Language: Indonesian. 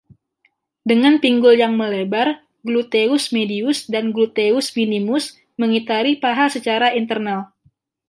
Dengan pinggul yang melebar, gluteus medius dan gluteus minimus mengitari paha secara internal.